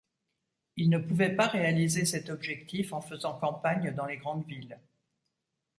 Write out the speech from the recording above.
Il ne pouvait pas réaliser cet objectif en faisant campagne dans les grandes villes.